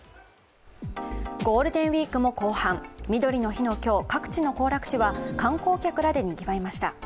ゴールデンウイークも後半みどりの日の今日、各地の行楽地は観光客らでにぎわいました。